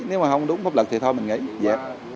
nếu mà không đúng pháp luật thì thôi mình nghĩ